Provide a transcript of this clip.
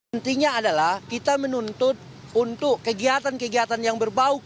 intinya adalah kita menuntut untuk kegiatan kegiatan yang berbau